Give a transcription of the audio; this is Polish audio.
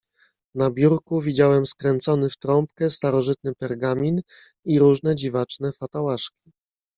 "Na biurku widziałem skręcony w trąbkę starożytny pergamin i różne dziwaczne fatałaszki."